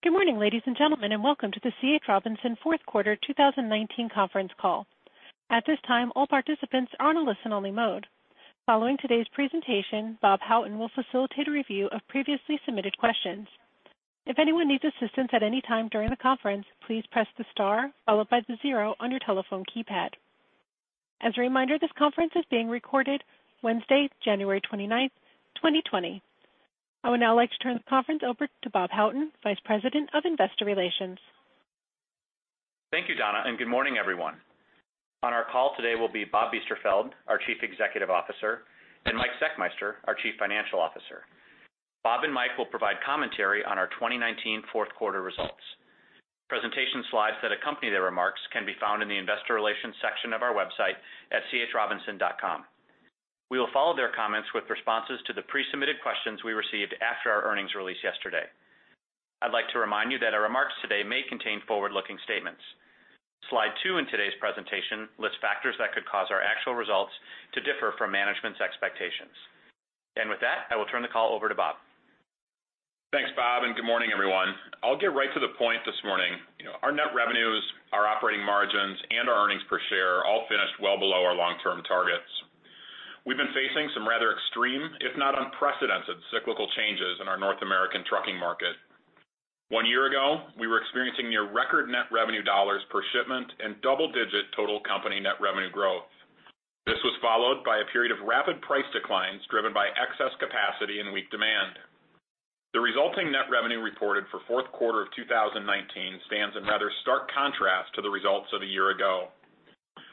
Good morning, ladies and gentlemen, and welcome to The C. H. Robinson Fourth Quarter 2019 Conference Call. At this time, all participants are in a listen-only mode. Following today's presentation, Robert Houghton will facilitate a review of previously submitted questions. If anyone needs assistance at any time during the conference, please press the star followed by the 0 on your telephone keypad. As a reminder, this conference is being recorded Wednesday, January 29, 2020. I would now like to turn the conference over to Robert Houghton, Vice President of Investor Relations. Thank you, Donna, and good morning, everyone. On our call today will be Bob Biesterfeld, our Chief Executive Officer, and Mike Zechmeister, our Chief Financial Officer. Bob and Mike will provide commentary on our 2019 fourth quarter results. Presentation slides that accompany their remarks can be found in the investor relations section of our website at chrobinson.com. We will follow their comments with responses to the pre-submitted questions we received after our earnings release yesterday. I'd like to remind you that our remarks today may contain forward-looking statements. Slide two in today's presentation lists factors that could cause our actual results to differ from management's expectations. With that, I will turn the call over to Bob. Thanks, Bob, and good morning, everyone. I'll get right to the point this morning. Our net revenues, our operating margins, and our earnings per share all finished well below our long-term targets. We've been facing some rather extreme, if not unprecedented, cyclical changes in our North American trucking market. One year ago, we were experiencing near record net revenue dollars per shipment and double-digit total company net revenue growth. This was followed by a period of rapid price declines driven by excess capacity and weak demand. The resulting net revenue reported for fourth quarter of 2019 stands another stark contrast to the results of a year ago.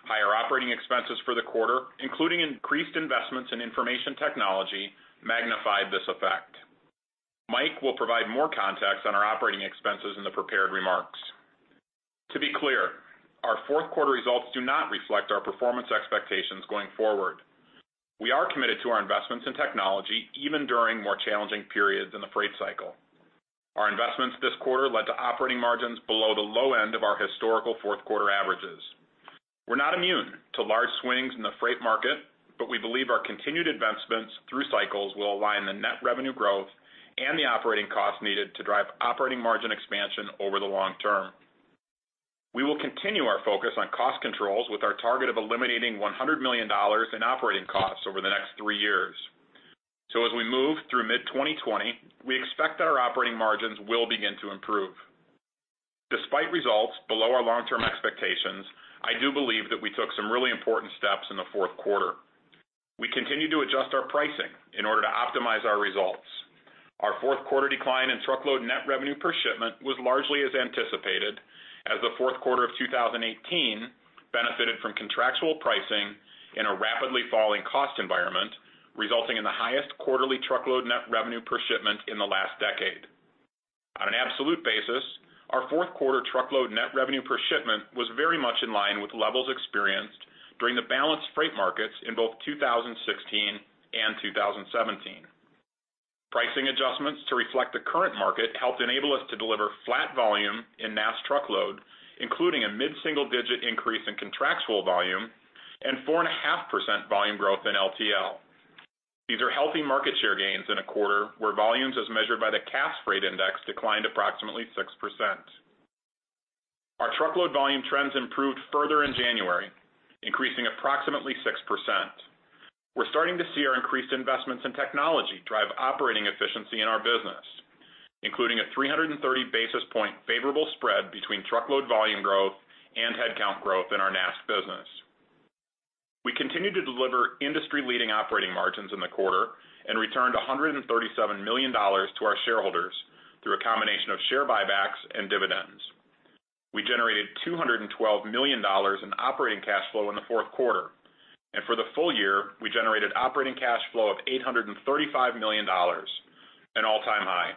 Higher operating expenses for the quarter, including increased investments in information technology, magnified this effect. Mike will provide more context on our operating expenses in the prepared remarks. To be clear, our fourth quarter results do not reflect our performance expectations going forward. We are committed to our investments in technology, even during more challenging periods in the freight cycle. Our investments this quarter led to operating margins below the low end of our historical fourth-quarter averages. We're not immune to large swings in the freight market, but we believe our continued advancements through cycles will align the net revenue growth and the operating costs needed to drive operating margin expansion over the long term. We will continue our focus on cost controls with our target of eliminating $100 million in operating costs over the next three years. As we move through mid-2020, we expect that our operating margins will begin to improve. Despite results below our long-term expectations, I do believe that we took some really important steps in the fourth quarter. We continued to adjust our pricing in order to optimize our results. Our fourth quarter decline in truckload net revenue per shipment was largely as anticipated as the fourth quarter of 2018 benefited from contractual pricing in a rapidly falling cost environment, resulting in the highest quarterly truckload net revenue per shipment in the last decade. On an absolute basis, our fourth quarter truckload net revenue per shipment was very much in line with levels experienced during the balanced freight markets in both 2016 and 2017. Pricing adjustments to reflect the current market helped enable us to deliver flat volume in mass truckload, including a mid-single-digit increase in contractual volume and 4.5% volume growth in LTL. These are healthy market share gains in a quarter where volumes, as measured by the Cass Freight Index, declined approximately 6%. Our truckload volume trends improved further in January, increasing approximately 6%. We're starting to see our increased investments in technology drive operating efficiency in our business, including a 330 basis point favorable spread between truckload volume growth and headcount growth in our NAS business. We continued to deliver industry-leading operating margins in the quarter and returned $137 million to our shareholders through a combination of share buybacks and dividends. We generated $212 million in operating cash flow in the fourth quarter. For the full year, we generated operating cash flow of $835 million, an all-time high.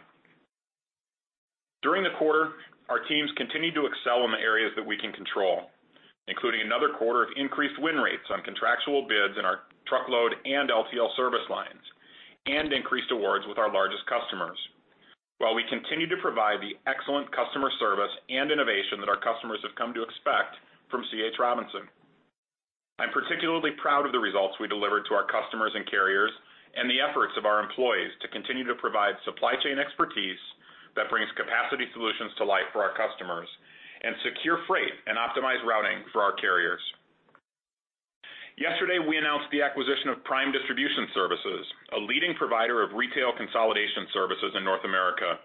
During the quarter, our teams continued to excel in the areas that we can control, including another quarter of increased win rates on contractual bids in our truckload and LTL service lines, and increased awards with our largest customers while we continued to provide the excellent customer service and innovation that our customers have come to expect from C. H. Robinson. I'm particularly proud of the results we delivered to our customers and carriers and the efforts of our employees to continue to provide supply chain expertise that brings capacity solutions to life for our customers and secure freight and optimized routing for our carriers. Yesterday, we announced the acquisition of Prime Distribution Services, a leading provider of retail consolidation services in North America.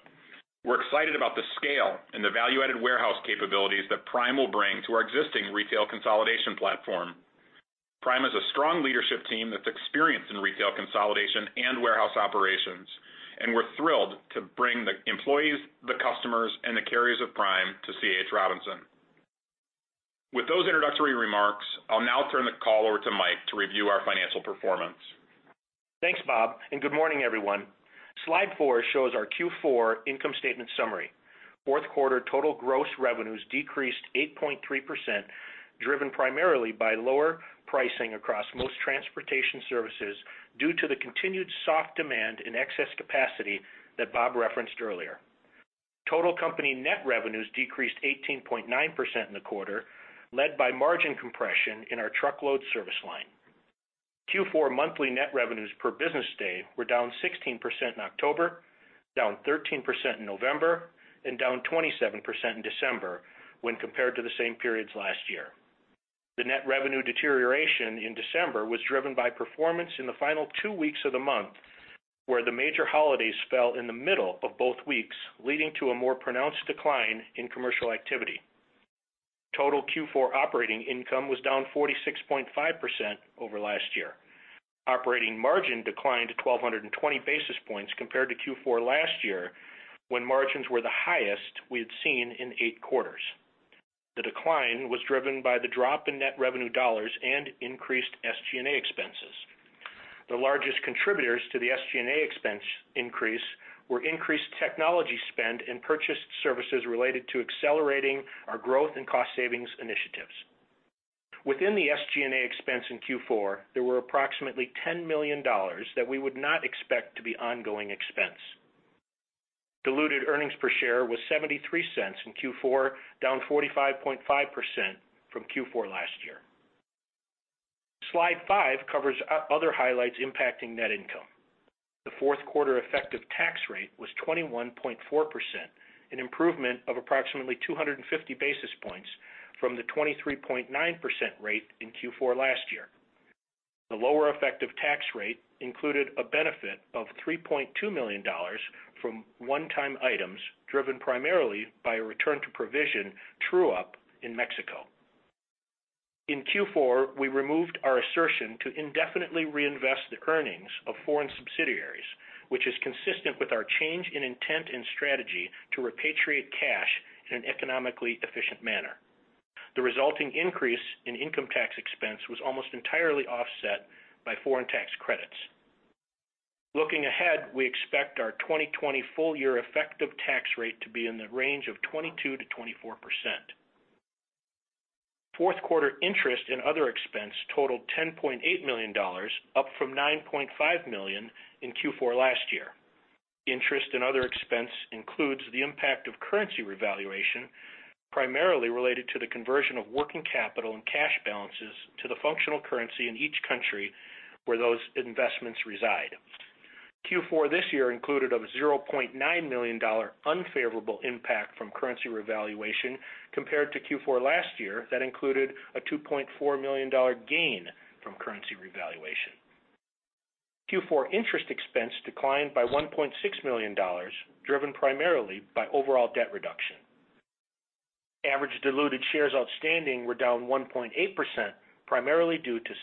We're excited about the scale and the value-added warehouse capabilities that Prime will bring to our existing retail consolidation platform. Prime has a strong leadership team that's experienced in retail consolidation and warehouse operations, and we're thrilled to bring the employees, the customers, and the carriers of Prime to C. H. Robinson. With those introductory remarks, I'll now turn the call over to Mike to review our financial performance. Thanks, Bob, and good morning, everyone. Slide four shows our Q4 income statement summary. Fourth quarter total gross revenues decreased 8.3%, driven primarily by lower pricing across most transportation services due to the continued soft demand and excess capacity that Bob referenced earlier. Total company net revenues decreased 18.9% in the quarter, led by margin compression in our truckload service line. Q4 monthly net revenues per business day were down 16% in October, down 13% in November, and down 27% in December when compared to the same periods last year. The net revenue deterioration in December was driven by performance in the final two weeks of the month, where the major holidays fell in the middle of both weeks, leading to a more pronounced decline in commercial activity. Total Q4 operating income was down 46.5% over last year. Operating margin declined 1,220 basis points compared to Q4 last year, when margins were the highest we had seen in eight quarters. The decline was driven by the drop in net revenue dollars and increased SG&A expenses. The largest contributors to the SG&A expense increase were increased technology spend and purchased services related to accelerating our growth and cost savings initiatives. Within the SG&A expense in Q4, there were approximately $10 million that we would not expect to be ongoing expense. Diluted earnings per share was $0.73 in Q4, down 45.5% from Q4 last year. Slide five covers other highlights impacting net income. The fourth quarter effective tax rate was 21.4%, an improvement of approximately 250 basis points from the 23.9% rate in Q4 last year. The lower effective tax rate included a benefit of $3.2 million from one-time items driven primarily by a return to provision true-up in Mexico. In Q4, we removed our assertion to indefinitely reinvest the earnings of foreign subsidiaries, which is consistent with our change in intent and strategy to repatriate cash in an economically efficient manner. The resulting increase in income tax expense was almost entirely offset by foreign tax credits. Looking ahead, we expect our 2020 full year effective tax rate to be in the range of 22%-24%. Fourth quarter interest and other expense totaled $10.8 million, up from $9.5 million in Q4 last year. Interest and other expense includes the impact of currency revaluation, primarily related to the conversion of working capital and cash balances to the functional currency in each country where those investments reside. Q4 this year included a $0.9 million unfavorable impact from currency revaluation compared to Q4 last year that included a $2.4 million gain from currency revaluation. Q4 interest expense declined by $1.6 million, driven primarily by overall debt reduction. Average diluted shares outstanding were down 1.8%, primarily due to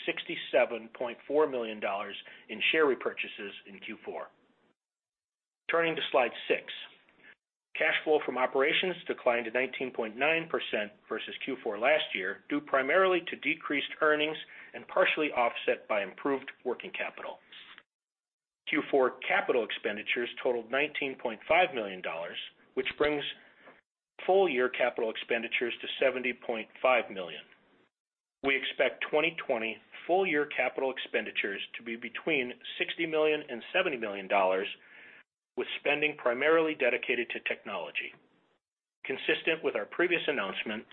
$67.4 million in share repurchases in Q4. Turning to slide six. Cash flow from operations declined to 19.9% versus Q4 last year, due primarily to decreased earnings and partially offset by improved working capital. Q4 capital expenditures totaled $19.5 million, which brings full year capital expenditures to $70.5 million. We expect 2020 full year capital expenditures to be between $60 million and $70 million, with spending primarily dedicated to technology. Consistent with our previous announcements,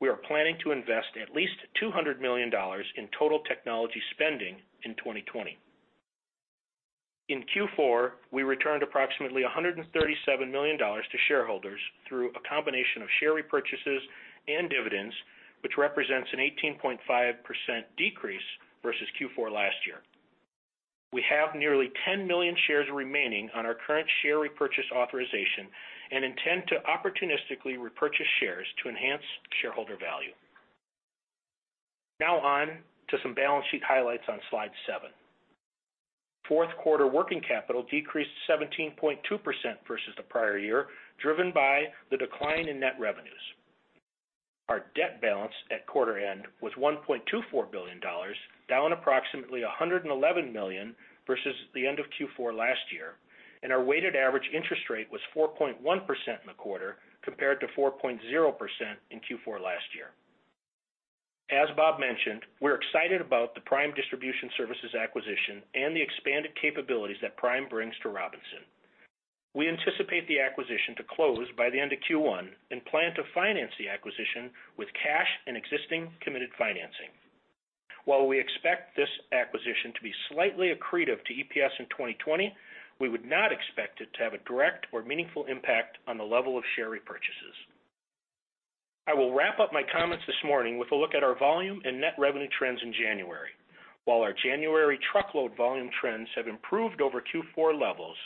we are planning to invest at least $200 million in total technology spending in 2020. In Q4, we returned approximately $137 million to shareholders through a combination of share repurchases and dividends, which represents an 18.5% decrease versus Q4 last year. We have nearly 10 million shares remaining on our current share repurchase authorization and intend to opportunistically repurchase shares to enhance shareholder value. Now on to some balance sheet highlights on slide seven. Fourth quarter working capital decreased 17.2% versus the prior year, driven by the decline in net revenues. Our debt balance at quarter end was $1.24 billion, down approximately $111 million versus the end of Q4 last year, and our weighted average interest rate was 4.1% in the quarter, compared to 4.0% in Q4 last year. As Bob mentioned, we're excited about the Prime Distribution Services acquisition and the expanded capabilities that Prime brings to Robinson. We anticipate the acquisition to close by the end of Q1 and plan to finance the acquisition with cash and existing committed financing. While we expect this acquisition to be slightly accretive to EPS in 2020, we would not expect it to have a direct or meaningful impact on the level of share repurchases. I will wrap up my comments this morning with a look at our volume and net revenue trends in January. While our January truckload volume trends have improved over Q4 levels,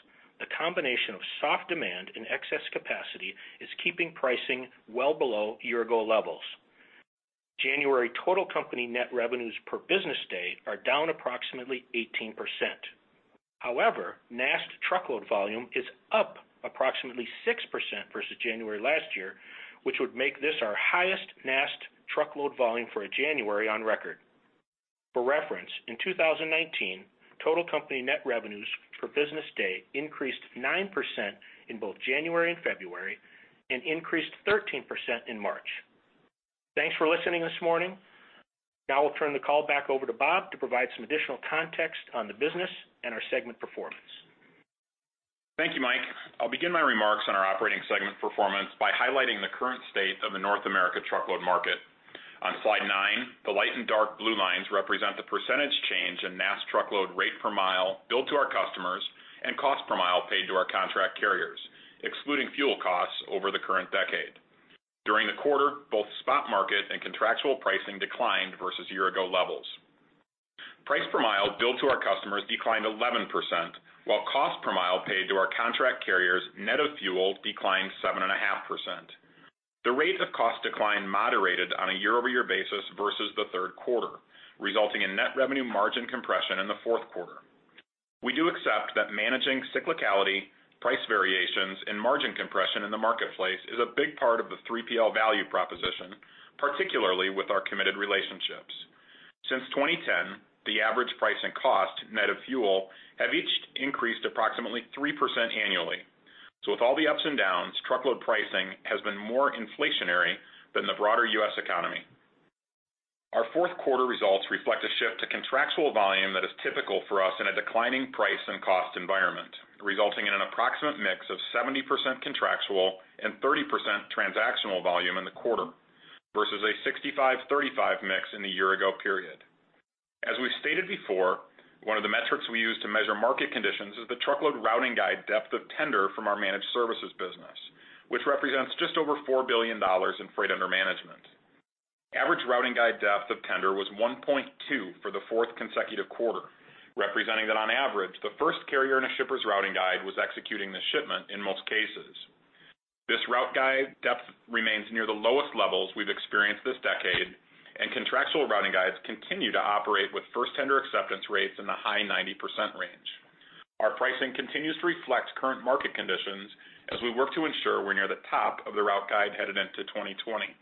the combination of soft demand and excess capacity is keeping pricing well below year-ago levels. January total company net revenues per business day are down approximately 18%. However, NAST truckload volume is up approximately 6% versus January last year, which would make this our highest NAST truckload volume for a January on record. For reference, in 2019, total company net revenues per business day increased 9% in both January and February and increased 13% in March. Thanks for listening this morning. Now I'll turn the call back over to Bob to provide some additional context on the business and our segment performance. Thank you, Mike. I'll begin my remarks on our operating segment performance by highlighting the current state of the North America truckload market. On slide nine, the light and dark blue lines represent the percentage change in NAST truckload rate per mile billed to our customers, and cost per mile paid to our contract carriers, excluding fuel costs over the current decade. During the quarter, both spot market and contractual pricing declined versus year-ago levels. Price per mile billed to our customers declined 11%, while cost per mile paid to our contract carriers, net of fuel, declined 7.5%. The rate of cost decline moderated on a year-over-year basis versus the third quarter, resulting in net revenue margin compression in the fourth quarter. We do accept that managing cyclicality, price variations, and margin compression in the marketplace is a big part of the 3PL value proposition, particularly with our committed relationships. Since 2010, the average price and cost, net of fuel, have each increased approximately 3% annually. With all the ups and downs, truckload pricing has been more inflationary than the broader U.S. economy. Our fourth quarter results reflect a shift to contractual volume that is typical for us in a declining price and cost environment, resulting in an approximate mix of 70% contractual and 30% transactional volume in the quarter, versus a 65/35 mix in the year-ago period. As we've stated before, one of the metrics we use to measure market conditions is the Truckload Routing Guide depth of tender from our managed services business, which represents just over $4 billion in freight under management. Average Routing Guide depth of tender was 1.2 for the fourth consecutive quarter, representing that on average, the first carrier in a shipper's Routing Guide was executing the shipment in most cases. This route guide depth remains near the lowest levels we've experienced this decade. Contractual routing guides continue to operate with first-tender acceptance rates in the high 90% range. Our pricing continues to reflect current market conditions as we work to ensure we're near the top of the route guide headed into 2020.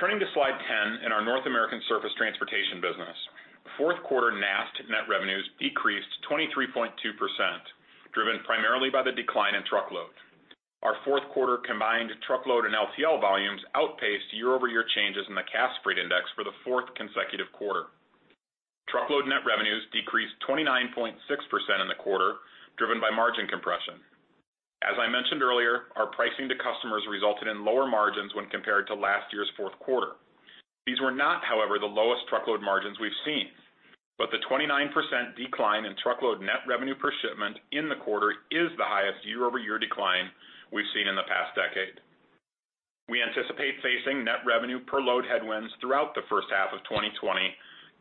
Turning to slide 10 in our North American Surface Transportation business. Fourth quarter NAST net revenues decreased 23.2%, driven primarily by the decline in Truckload. Our fourth quarter combined Truckload and LTL volumes outpaced year-over-year changes in the Cass Freight Index for the fourth consecutive quarter. Truckload net revenues decreased 29.6% in the quarter, driven by margin compression. As I mentioned earlier, our pricing to customers resulted in lower margins when compared to last year's fourth quarter. These were not, however, the lowest Truckload margins we've seen. The 29% decline in truckload net revenue per shipment in the quarter is the highest year-over-year decline we've seen in the past decade. We anticipate facing net revenue per load headwinds throughout the first half of 2020,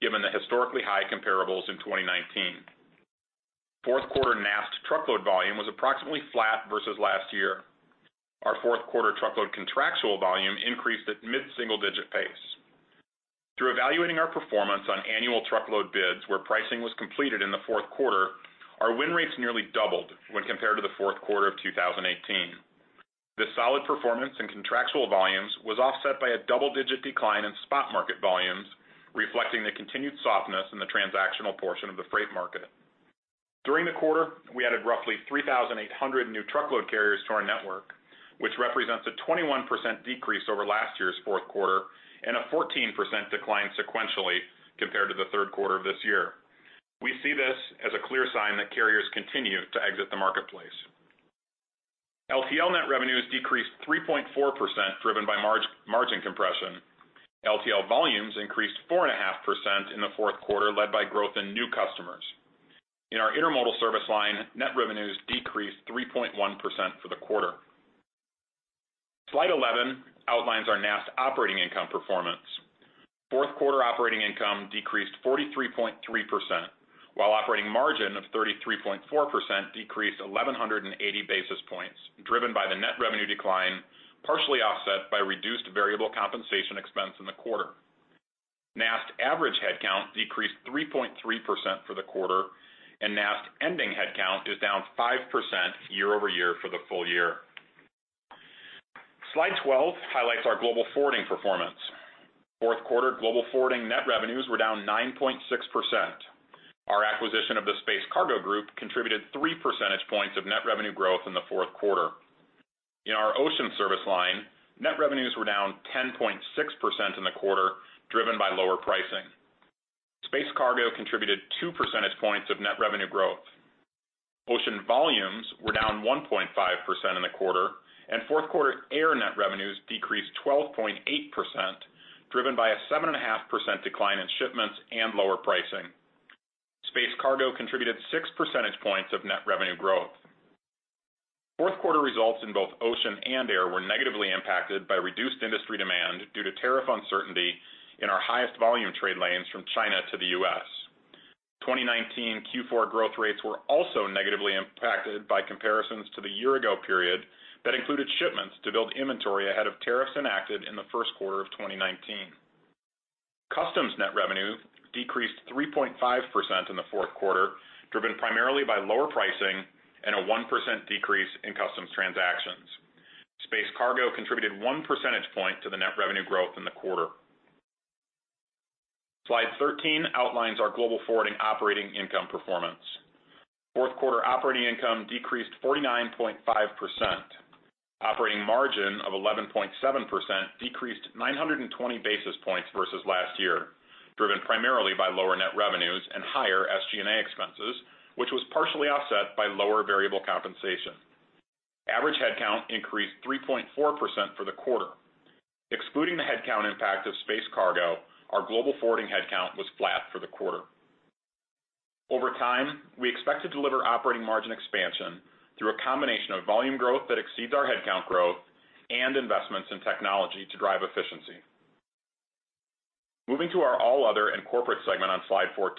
given the historically high comparables in 2019. Fourth quarter NAST truckload volume was approximately flat versus last year. Our fourth quarter truckload contractual volume increased at mid-single-digit pace. Through evaluating our performance on annual truckload bids where pricing was completed in the fourth quarter, our win rates nearly doubled when compared to the fourth quarter of 2018. The solid performance in contractual volumes was offset by a double-digit decline in spot market volumes, reflecting the continued softness in the transactional portion of the freight market. During the quarter, we added roughly 3,800 new truckload carriers to our network, which represents a 21% decrease over last year's fourth quarter and a 14% decline sequentially compared to the third quarter of this year. We see this as a clear sign that carriers continue to exit the marketplace. LTL net revenues decreased 3.4%, driven by margin compression. LTL volumes increased 4.5% in the fourth quarter, led by growth in new customers. In our intermodal service line, net revenues decreased 3.1% for the quarter. Slide 11 outlines our NAST operating income performance. Fourth quarter operating income decreased 43.3%, while operating margin of 33.4% decreased 1,180 basis points, driven by the net revenue decline, partially offset by reduced variable compensation expense in the quarter. NAST average headcount decreased 3.3% for the quarter, and NAST ending headcount is down 5% year-over-year for the full year. Slide 12 highlights our global forwarding performance. Fourth quarter global forwarding net revenues were down 9.6%. Our acquisition of The Space Cargo Group contributed three percentage points of net revenue growth in the fourth quarter. In our ocean service line, net revenues were down 10.6% in the quarter, driven by lower pricing. Space Cargo contributed two percentage points of net revenue growth. Ocean volumes were down 1.5% in the quarter, and fourth quarter air net revenues decreased 12.8%, driven by a 7.5% decline in shipments and lower pricing. Space Cargo contributed six percentage points of net revenue growth. Fourth quarter results in both ocean and air were negatively impacted by reduced industry demand due to tariff uncertainty in our highest volume trade lanes from China to the U.S.. 2019 Q4 growth rates were also negatively impacted by comparisons to the year-ago period that included shipments to build inventory ahead of tariffs enacted in the first quarter of 2019. Customs net revenue decreased 3.5% in the fourth quarter, driven primarily by lower pricing and a 1% decrease in customs transactions. Space Cargo contributed one percentage point to the net revenue growth in the quarter. Slide 13 outlines our Global Forwarding operating income performance. Fourth quarter operating income decreased 49.5%. Operating margin of 11.7% decreased 920 basis points versus last year, driven primarily by lower net revenues and higher SG&A expenses, which was partially offset by lower variable compensation. Average headcount increased 3.4% for the quarter. Excluding the headcount impact of Space Cargo, our Global Forwarding headcount was flat for the quarter. Over time, we expect to deliver operating margin expansion through a combination of volume growth that exceeds our headcount growth and investments in technology to drive efficiency. Moving to our all other and corporate segment on slide 14.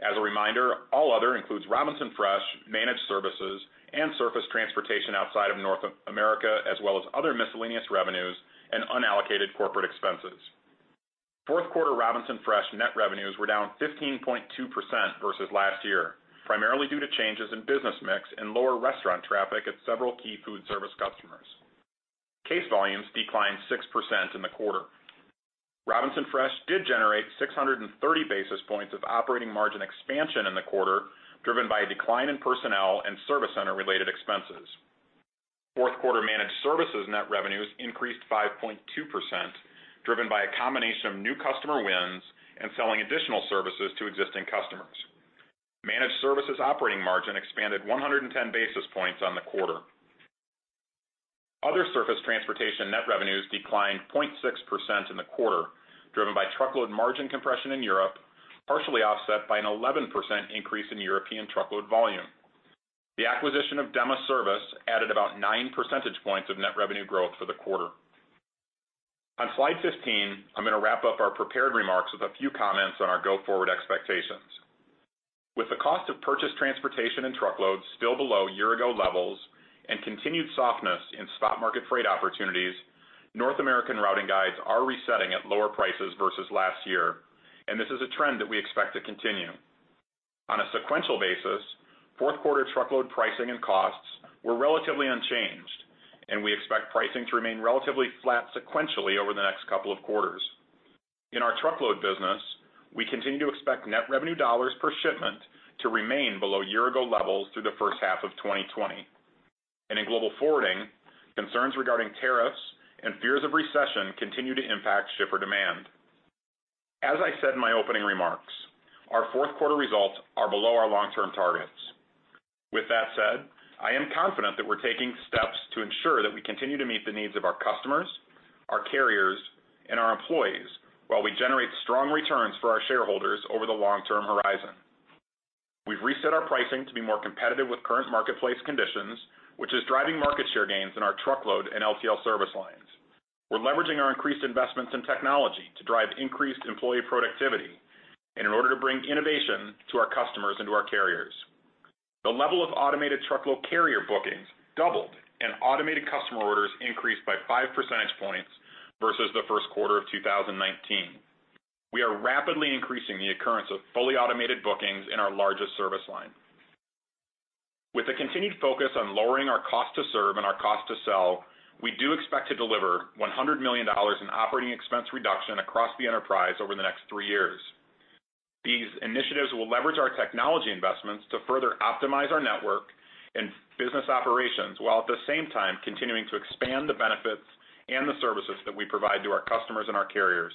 As a reminder, all other includes Robinson Fresh, managed services, and surface transportation outside of North America, as well as other miscellaneous revenues and unallocated corporate expenses. Fourth quarter Robinson Fresh net revenues were down 15.2% versus last year, primarily due to changes in business mix and lower restaurant traffic at several key food service customers. Case volumes declined 6% in the quarter. Robinson Fresh did generate 630 basis points of operating margin expansion in the quarter, driven by a decline in personnel and service center-related expenses. Fourth quarter managed services net revenues increased 5.2%, driven by a combination of new customer wins and selling additional services to existing customers. Managed services operating margin expanded 110 basis points on the quarter. Other surface transportation net revenues declined 0.6% in the quarter, driven by truckload margin compression in Europe, partially offset by an 11% increase in European truckload volume. The acquisition of Dema Service added about nine percentage points of net revenue growth for the quarter. On slide 15, I'm going to wrap up our prepared remarks with a few comments on our go-forward expectations. With the cost of purchased transportation and truckloads still below year-ago levels and continued softness in spot market freight opportunities, North American routing guides are resetting at lower prices versus last year, this is a trend that we expect to continue. On a sequential basis, fourth quarter truckload pricing and costs were relatively unchanged, we expect pricing to remain relatively flat sequentially over the next couple of quarters. In our truckload business, we continue to expect net revenue dollar per shipment to remain below year-ago levels through the first half of 2020. In global forwarding, concerns regarding tariffs and fears of recession continue to impact shipper demand. As I said in my opening remarks, our fourth quarter results are below our long-term targets. With that said, I am confident that we're taking steps to ensure that we continue to meet the needs of our customers, our carriers, and our employees while we generate strong returns for our shareholders over the long-term horizon. We've reset our pricing to be more competitive with current marketplace conditions, which is driving market share gains in our truckload and LTL service lines. We're leveraging our increased investments in technology to drive increased employee productivity and in order to bring innovation to our customers and to our carriers. The level of automated truckload carrier bookings doubled and automated customer orders increased by five percentage points versus the first quarter of 2019. We are rapidly increasing the occurrence of fully automated bookings in our largest service line. With a continued focus on lowering our cost to serve and our cost to sell, we do expect to deliver $100 million in operating expense reduction across the enterprise over the next three years. These initiatives will leverage our technology investments to further optimize our network and business operations, while at the same time continuing to expand the benefits and the services that we provide to our customers and our carriers.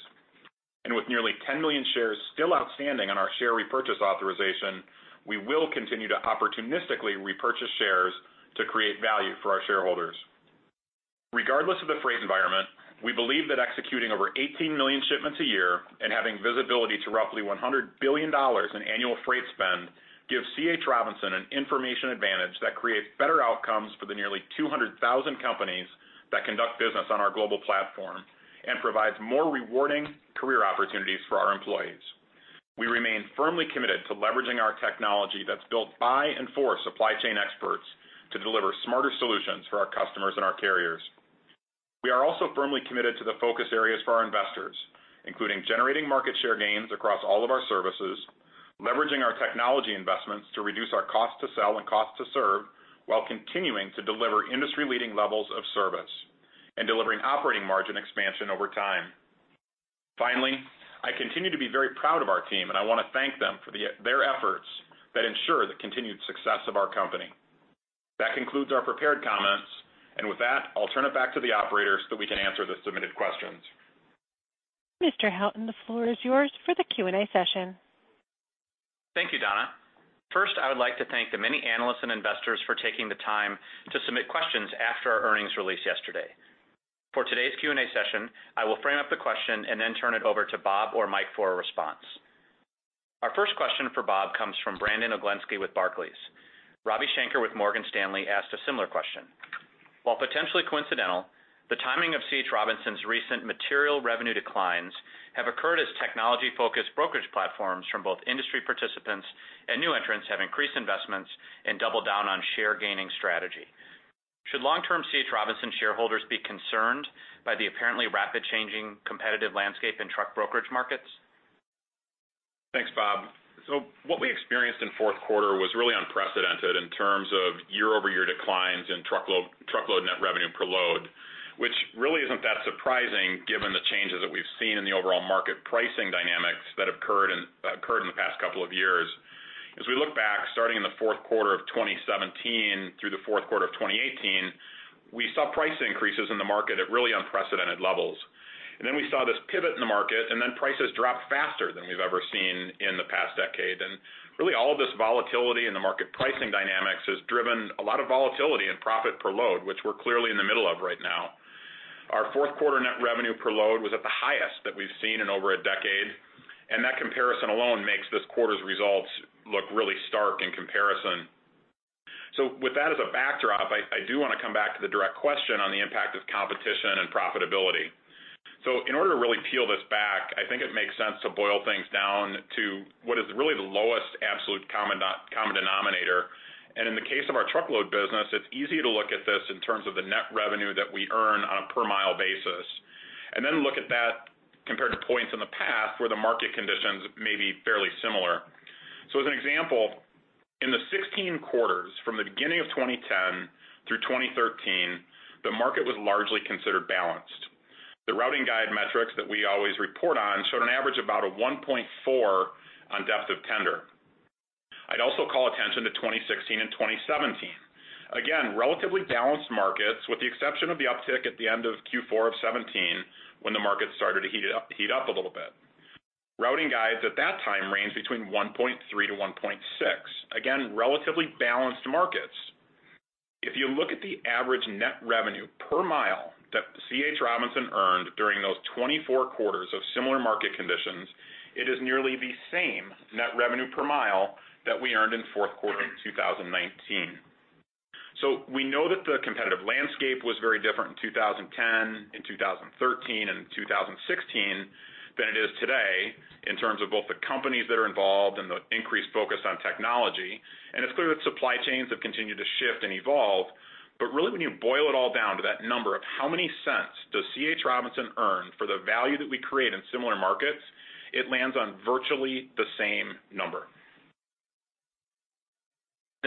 With nearly 10 million shares still outstanding on our share repurchase authorization, we will continue to opportunistically repurchase shares to create value for our shareholders. Regardless of the freight environment, we believe that executing over 18 million shipments a year and having visibility to roughly $100 billion in annual freight spend gives C. H. Robinson an information advantage that creates better outcomes for the nearly 200,000 companies that conduct business on our global platform and provides more rewarding career opportunities for our employees. We remain firmly committed to leveraging our technology that's built by and for supply chain experts to deliver smarter solutions for our customers and our carriers. We are also firmly committed to the focus areas for our investors, including generating market share gains across all of our services, leveraging our technology investments to reduce our cost to sell and cost to serve while continuing to deliver industry-leading levels of service, and delivering operating margin expansion over time. Finally, I continue to be very proud of our team, and I want to thank them for their efforts that ensure the continued success of our company. That concludes our prepared comments. With that, I'll turn it back to the operator so that we can answer the submitted questions. Robert Houghton, the floor is yours for the Q&A session. Thank you, Donna. First, I would like to thank the many analysts and investors for taking the time to submit questions after our earnings release yesterday. For today's Q&A session, I will frame up the question and then turn it over to Bob or Mike for a response. Our first question for Bob comes from Brandon Oglenski with Barclays. Ravi Shanker with Morgan Stanley asked a similar question. While potentially coincidental, the timing of C. H. Robinson's recent material revenue declines have occurred as technology-focused brokerage platforms from both industry participants and new entrants have increased investments and doubled down on share gaining strategy. Should long-term C. H. Robinson shareholders be concerned by the apparently rapid changing competitive landscape in truck brokerage markets? Thanks, Bob. What we experienced in fourth quarter was really unprecedented in terms of year-over-year declines in truckload net revenue per load. Given the changes that we've seen in the overall market pricing dynamics that have occurred in the past couple of years. As we look back, starting in the fourth quarter of 2017 through the fourth quarter of 2018, we saw price increases in the market at really unprecedented levels. Then we saw this pivot in the market, then prices dropped faster than we've ever seen in the past decade. Really all of this volatility in the market pricing dynamics has driven a lot of volatility in profit per load, which we're clearly in the middle of right now. Our fourth quarter net revenue per load was at the highest that we've seen in over a decade, and that comparison alone makes this quarter's results look really stark in comparison. With that as a backdrop, I do want to come back to the direct question on the impact of competition and profitability. In order to really peel this back, I think it makes sense to boil things down to what is really the lowest absolute common denominator. In the case of our truckload business, it's easy to look at this in terms of the net revenue that we earn on a per mile basis, and then look at that compared to points in the past where the market conditions may be fairly similar. As an example, in the 16 quarters from the beginning of 2010 through 2013, the market was largely considered balanced. The routing guide metrics that we always report on showed an average about a 1.4 on depth of tender. I'd also call attention to 2016 and 2017. Relatively balanced markets with the exception of the uptick at the end of Q4 of 2017, when the market started to heat up a little bit. Routing guides at that time ranged between 1.3-1.6. Relatively balanced markets. If you look at the average net revenue per mile that C. H. Robinson earned during those 24 quarters of similar market conditions, it is nearly the same net revenue per mile that we earned in fourth quarter 2019. We know that the competitive landscape was very different in 2010, in 2013, and in 2016 than it is today in terms of both the companies that are involved and the increased focus on technology. It's clear that supply chains have continued to shift and evolve. Really when you boil it all down to that number of how many cents does C. H. Robinson earn for the value that we create in similar markets? It lands on virtually the same number.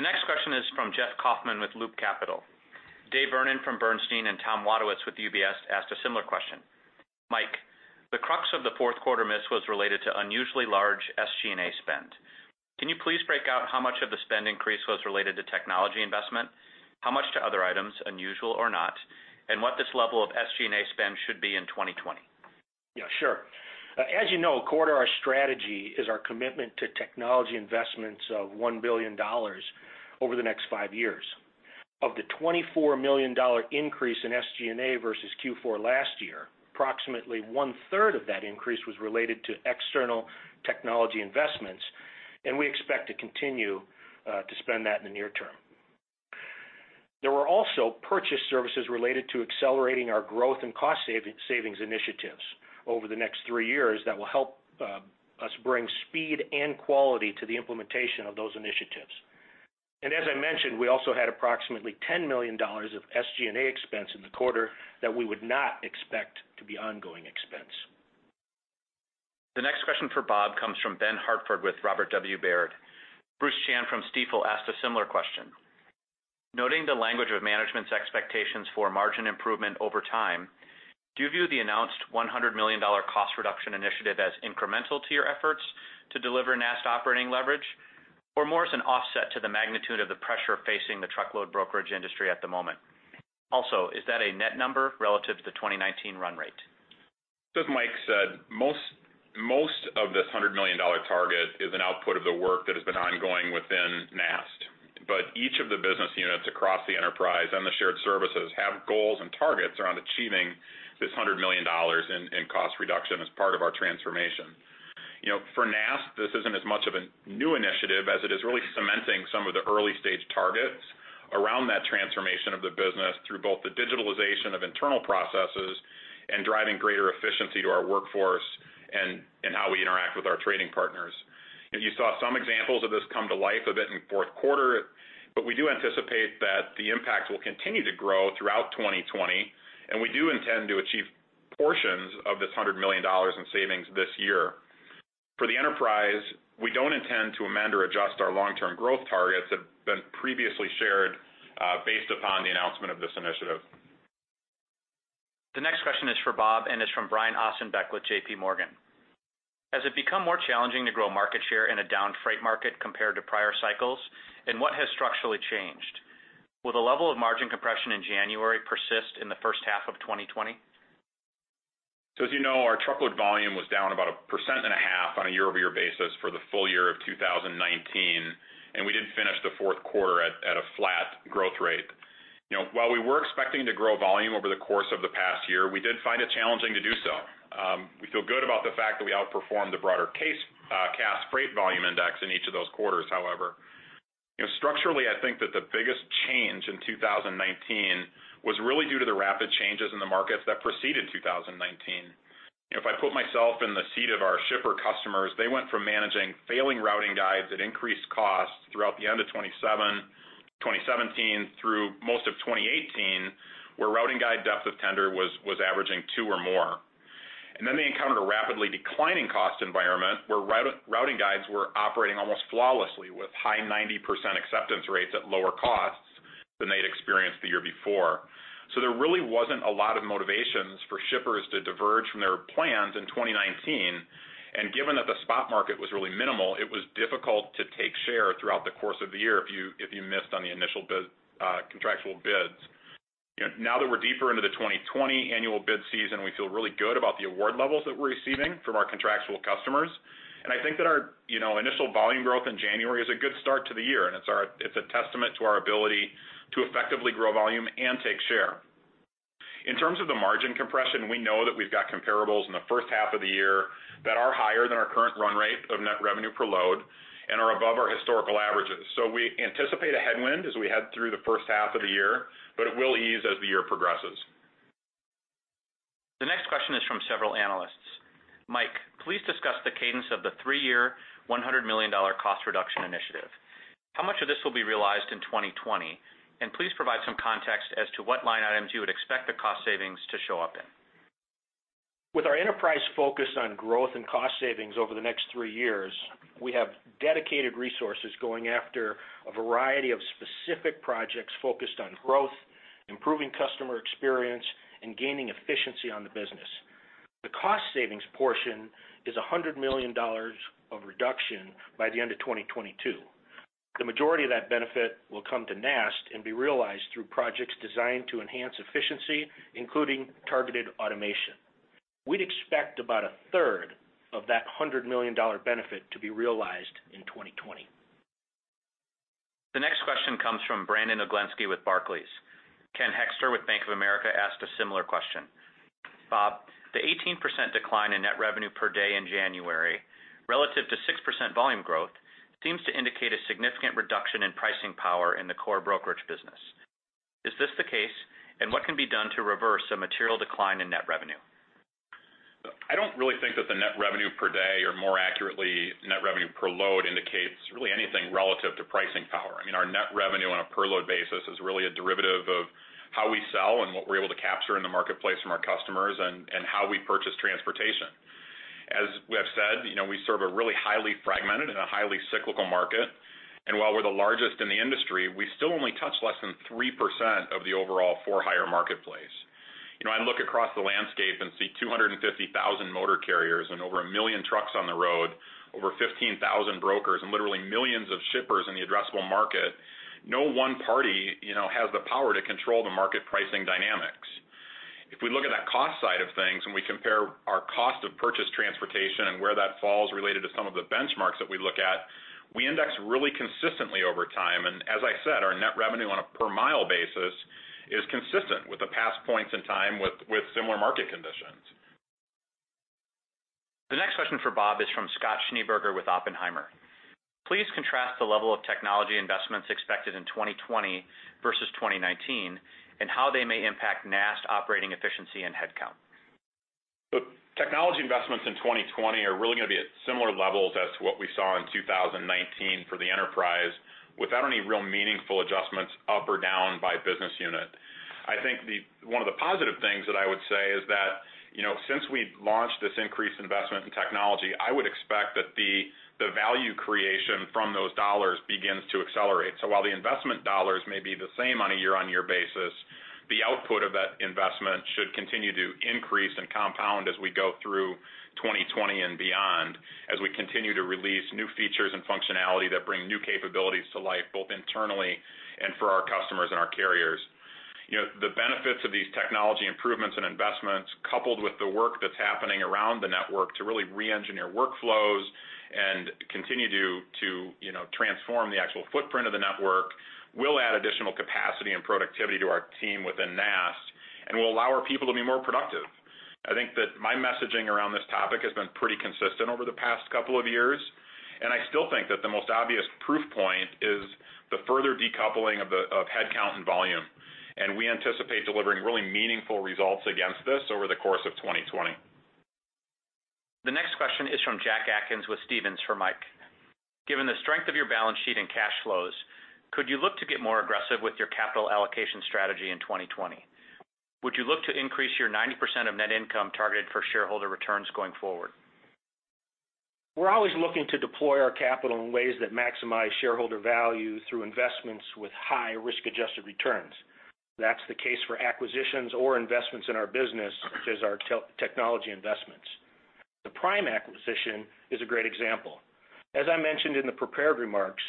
The next question is from Jeff Kauffman with Loop Capital. David Vernon from Bernstein and Tom Wadewitz with UBS asked a similar question. Mike, the crux of the fourth quarter miss was related to unusually large SG&A spend. Can you please break out how much of the spend increase was related to technology investment, how much to other items, unusual or not, and what this level of SG&A spend should be in 2020? Yeah, sure. As you know, core to our strategy is our commitment to technology investments of $1 billion over the next five years. Of the $24 million increase in SG&A versus Q4 last year, approximately one-third of that increase was related to external technology investments. We expect to continue to spend that in the near term. There were also purchase services related to accelerating our growth and cost savings initiatives over the next three years that will help us bring speed and quality to the implementation of those initiatives. As I mentioned, we also had approximately $10 million of SG&A expense in the quarter that we would not expect to be ongoing expense. The next question for Bob comes from Ben Hartford with Robert W. Baird. Bruce Chan from Stifel asked a similar question. Noting the language of management's expectations for margin improvement over time, do you view the announced $100 million cost reduction initiative as incremental to your efforts to deliver NAST operating leverage or more as an offset to the magnitude of the pressure facing the truckload brokerage industry at the moment? Also, is that a net number relative to the 2019 run rate? As Mike said, most of this $100 million target is an output of the work that has been ongoing within NAST. Each of the business units across the enterprise and the shared services have goals and targets around achieving this $100 million in cost reduction as part of our transformation. For NAST, this isn't as much of a new initiative as it is really cementing some of the early-stage targets around that transformation of the business through both the digitalization of internal processes and driving greater efficiency to our workforce and in how we interact with our trading partners. You saw some examples of this come to life a bit in the fourth quarter, but we do anticipate that the impact will continue to grow throughout 2020, and we do intend to achieve portions of this $100 million in savings this year. For the enterprise, we don't intend to amend or adjust our long-term growth targets that have been previously shared, based upon the announcement of this initiative. The next question is for Bob and is from Brian Ossenbeck with JPMorgan. Has it become more challenging to grow market share in a down freight market compared to prior cycles? What has structurally changed? Will the level of margin compression in January persist in the first half of 2020? As you know, our truckload volume was down about 1.5% on a year-over-year basis for the full year of 2019, and we did finish the fourth quarter at a flat growth rate. While we were expecting to grow volume over the course of the past year, we did find it challenging to do so. We feel good about the fact that we outperformed the broader Cass Freight Index in each of those quarters. Structurally, I think that the biggest change in 2019 was really due to the rapid changes in the markets that preceded 2019. If I put myself in the seat of our shipper customers, they went from managing failing routing guides at increased costs throughout the end of 2017 through most of 2018, where routing guide depth of tender was averaging two or more. They encountered a rapidly declining cost environment where routing guides were operating almost flawlessly with high 90% acceptance rates at lower costs than they'd experienced the year before. There really wasn't a lot of motivations for shippers to diverge from their plans in 2019. Given that the spot market was really minimal, it was difficult to take share throughout the course of the year if you missed on the initial contractual bids. Now that we're deeper into the 2020 annual bid season, we feel really good about the award levels that we're receiving from our contractual customers. I think that our initial volume growth in January is a good start to the year, and it's a testament to our ability to effectively grow volume and take share. In terms of the margin compression, we know that we've got comparables in the first half of the year that are higher than our current run rate of net revenue per load and are above our historical averages. We anticipate a headwind as we head through the first half of the year, but it will ease as the year progresses. The next question is from several analysts. Mike, please discuss the cadence of the three-year, $100 million cost reduction initiative. How much of this will be realized in 2020? Please provide some context as to what line items you would expect the cost savings to show up in. With our enterprise focus on growth and cost savings over the next three years, we have dedicated resources going after a variety of specific projects focused on growth, improving customer experience, and gaining efficiency on the business. The cost savings portion is $100 million of reduction by the end of 2022. The majority of that benefit will come to NAST and be realized through projects designed to enhance efficiency, including targeted automation. We'd expect about a third of that $100 million benefit to be realized in 2020. The next question comes from Brandon Oglenski with Barclays. Ken Hoexter with Bank of America asked a similar question. Bob, the 18% decline in net revenue per day in January, relative to 6% volume growth, seems to indicate a significant reduction in pricing power in the core brokerage business. Is this the case, and what can be done to reverse a material decline in net revenue? I don't really think that the net revenue per day, or more accurately, net revenue per load, indicates really anything relative to pricing power. I mean, our net revenue on a per load basis is really a derivative of how we sell and what we're able to capture in the marketplace from our customers and how we purchase transportation. As we have said, we serve a really highly fragmented and a highly cyclical market. While we're the largest in the industry, we still only touch less than 3% of the overall for-hire marketplace. I look across the landscape and see 250,000 motor carriers and over a million trucks on the road, over 15,000 brokers, and literally millions of shippers in the addressable market. No one party has the power to control the market pricing dynamics. If we look at that cost side of things and we compare our cost of purchased transportation and where that falls related to some of the benchmarks that we look at, we index really consistently over time. As I said, our net revenue on a per mile basis is consistent with the past points in time with similar market conditions. The next question for Bob is from Scott Schneeberger with Oppenheimer. Please contrast the level of technology investments expected in 2020 versus 2019, and how they may impact NAST operating efficiency and headcount. Technology investments in 2020 are really going to be at similar levels as to what we saw in 2019 for the enterprise, without any real meaningful adjustments up or down by business unit. I think one of the positive things that I would say is that, since we launched this increased investment in technology, I would expect that the value creation from those dollars begins to accelerate. While the investment dollars may be the same on a year-on-year basis, the output of that investment should continue to increase and compound as we go through 2020 and beyond, as we continue to release new features and functionality that bring new capabilities to life, both internally and for our customers and our carriers. The benefits of these technology improvements and investments, coupled with the work that's happening around the network to really re-engineer workflows and continue to transform the actual footprint of the network, will add additional capacity and productivity to our team within NAST and will allow our people to be more productive. I think that my messaging around this topic has been pretty consistent over the past couple of years. I still think that the most obvious proof point is the further decoupling of headcount and volume. We anticipate delivering really meaningful results against this over the course of 2020. The next question is from Jack Atkins with Stephens for Mike. Given the strength of your balance sheet and cash flows, could you look to get more aggressive with your capital allocation strategy in 2020? Would you look to increase your 90% of net income targeted for shareholder returns going forward? We're always looking to deploy our capital in ways that maximize shareholder value through investments with high risk-adjusted returns. That's the case for acquisitions or investments in our business, such as our technology investments. The Prime acquisition is a great example. As I mentioned in the prepared remarks,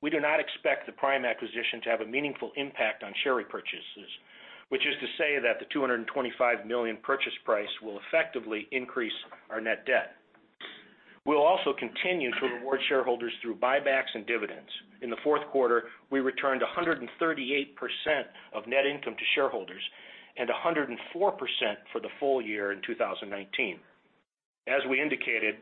we do not expect the Prime acquisition to have a meaningful impact on share repurchases, which is to say that the $225 million purchase price will effectively increase our net debt. We'll also continue to reward shareholders through buybacks and dividends. In the fourth quarter, we returned 138% of net income to shareholders and 104% for the full year in 2019. As we indicated,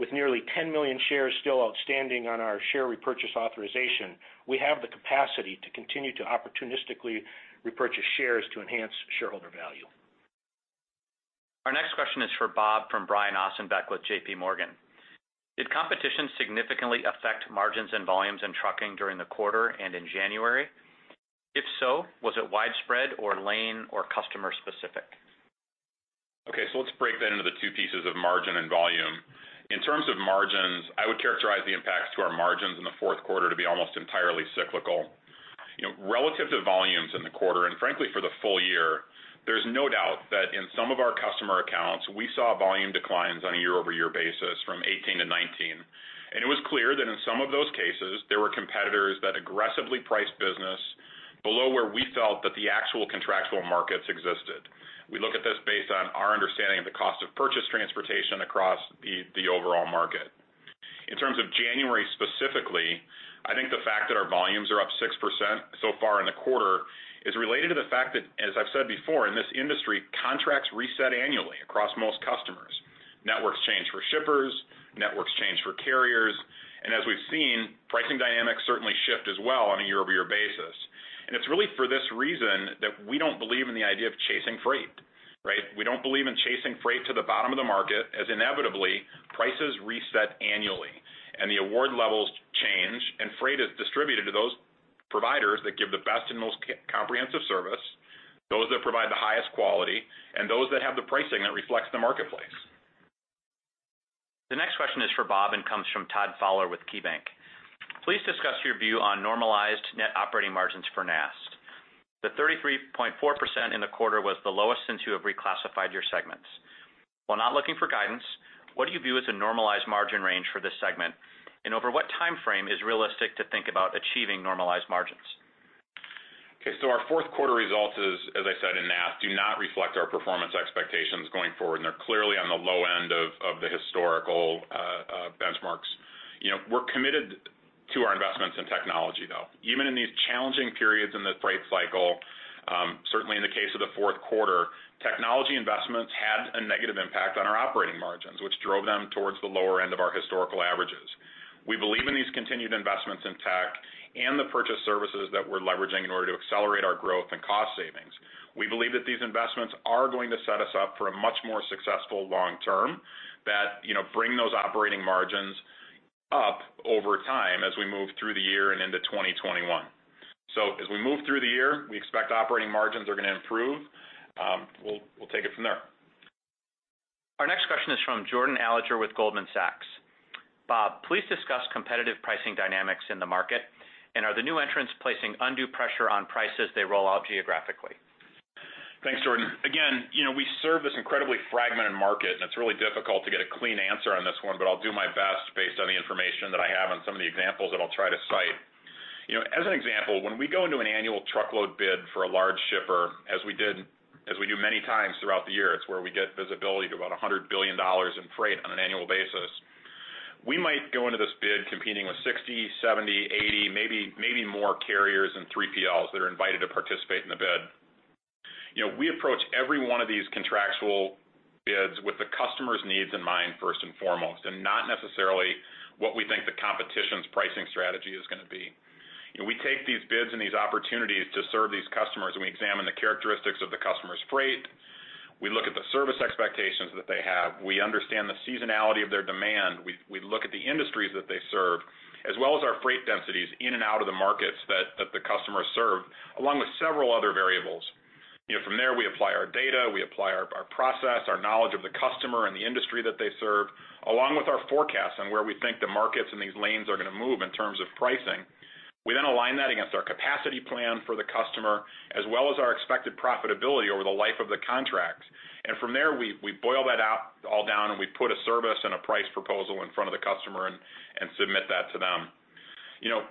with nearly 10 million shares still outstanding on our share repurchase authorization, we have the capacity to continue to opportunistically repurchase shares to enhance shareholder value. Our next question is for Bob from Brian Ossenbeck with JPMorgan. Did competition significantly affect margins and volumes in trucking during the quarter and in January? If so, was it widespread or lane or customer specific? Okay. Let's break that into the two pieces of margin and volume. In terms of margins, I would characterize the impacts to our margins in the fourth quarter to be almost entirely cyclical. Relative to volumes in the quarter, and frankly, for the full year, there's no doubt that in some of our customer accounts, we saw volume declines on a year-over-year basis from 2018-2019. It was clear that in some of those cases, there were competitors that aggressively priced business below where we felt that the actual contractual markets existed. We look at this based on our understanding of the cost of purchased transportation across the overall market. In terms of January specifically, I think the fact that our volumes are up 6% so far in the quarter is related to the fact that, as I've said before, in this industry, contracts reset annually across most customers. Networks change for shippers, networks change for carriers, and as we've seen, pricing dynamics certainly shift as well on a year-over-year basis. It's really for this reason that we don't believe in the idea of chasing freight. We don't believe in chasing freight to the bottom of the market, as inevitably, prices reset annually, and the award levels change, and freight is distributed to those providers that give the best and most comprehensive service, those that provide the highest quality, and those that have the pricing that reflects the marketplace. The next question is for Bob and comes from Todd Fowler with KeyBanc. Please discuss your view on normalized net operating margins for NAST. The 33.4% in the quarter was the lowest since you have reclassified your segments. While not looking for guidance, what do you view as a normalized margin range for this segment? Over what timeframe is realistic to think about achieving normalized margins? Our fourth quarter results, as I said, in NAST, do not reflect our performance expectations going forward, and they're clearly on the low end of the historical benchmarks. We're committed to our investments in technology, though. Even in these challenging periods in this freight cycle, certainly in the case of the fourth quarter, technology investments had a negative impact on our operating margins, which drove them towards the lower end of our historical averages. We believe in these continued investments in tech and the purchase services that we're leveraging in order to accelerate our growth and cost savings. We believe that these investments are going to set us up for a much more successful long term that bring those operating margins up over time as we move through the year and into 2021. As we move through the year, we expect operating margins are going to improve. We'll take it from there. Our next question is from Jordan Alliger with Goldman Sachs. Bob, please discuss competitive pricing dynamics in the market, and are the new entrants placing undue pressure on price as they roll out geographically? Thanks, Jordan. We serve this incredibly fragmented market, and it's really difficult to get a clean answer on this one, but I'll do my best based on the information that I have and some of the examples that I'll try to cite. As an example, when we go into an annual truckload bid for a large shipper, as we do many times throughout the year, it's where we get visibility to about $100 billion in freight on an annual basis. We might go into this bid competing with 60, 70, 80, maybe more carriers and 3PLs that are invited to participate in the bid. We approach every one of these contractual bids with the customer's needs in mind first and foremost, and not necessarily what we think the competition's pricing strategy is going to be. We take these bids and these opportunities to serve these customers. We examine the characteristics of the customer's freight. We look at the service expectations that they have. We understand the seasonality of their demand. We look at the industries that they serve, as well as our freight densities in and out of the markets that the customers serve, along with several other variables. From there, we apply our data, we apply our process, our knowledge of the customer and the industry that they serve, along with our forecast on where we think the markets and these lanes are going to move in terms of pricing. We align that against our capacity plan for the customer, as well as our expected profitability over the life of the contract. From there, we boil that all down, and we put a service and a price proposal in front of the customer and submit that to them.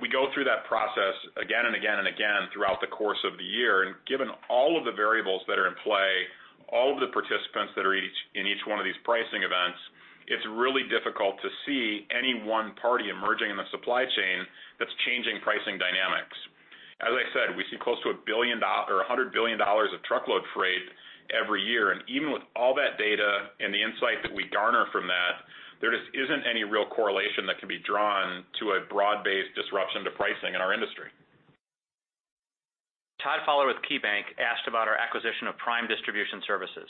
We go through that process again and again and again throughout the course of the year. Given all of the variables that are in play, all of the participants that are in each one of these pricing events, it's really difficult to see any one party emerging in the supply chain that's changing pricing dynamics. As I said, we see close to $100 billion of truckload freight every year. Even with all that data and the insight that we garner from that, there just isn't any real correlation that can be drawn to a broad-based disruption to pricing in our industry. Todd Fowler with KeyBanc asked about our acquisition of Prime Distribution Services.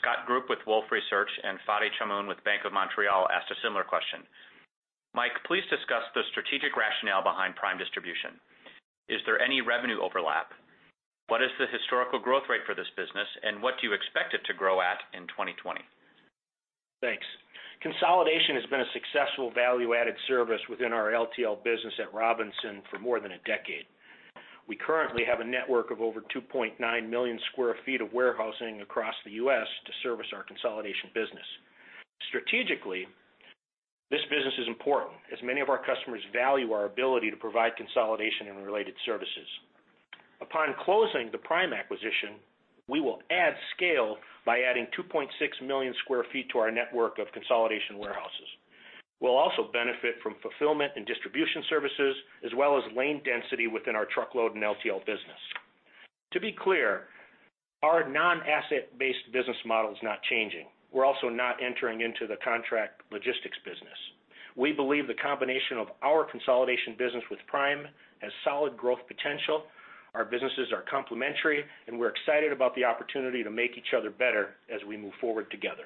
Scott Group with Wolfe Research and Fadi Chamoun with Bank of Montreal asked a similar question. Mike, please discuss the strategic rationale behind Prime Distribution. Is there any revenue overlap? What is the historical growth rate for this business, and what do you expect it to grow at in 2020? Thanks. Consolidation has been a successful value-added service within our LTL business at Robinson for more than a decade. We currently have a network of over 2.9 million square feet of warehousing across the U.S. to service our consolidation business. Strategically, this business is important, as many of our customers value our ability to provide consolidation and related services. Upon closing the Prime acquisition, we will add scale by adding 2.6 million square feet to our network of consolidation warehouses. We'll also benefit from fulfillment and distribution services, as well as lane density within our truckload and LTL business. To be clear, our non-asset-based business model is not changing. We're also not entering into the contract logistics business. We believe the combination of our consolidation business with Prime has solid growth potential. Our businesses are complementary, and we're excited about the opportunity to make each other better as we move forward together.